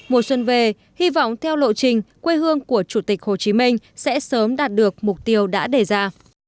mùa xuân về hy vọng theo lộ trình quê hương của chủ tịch hồ chí minh sẽ sớm đạt được mục tiêu đã đề ra